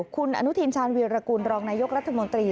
คุณอนุทินชาญวีรกูลรองนายกรัฐมนตรี